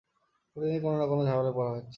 প্রতিদিনই কোনো-না-কোনো ঝামেলায় পড়া হচ্ছে না।